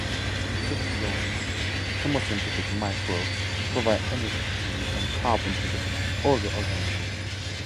In such zones, chemosynthetic microbes provide energy and carbon to the other organisms.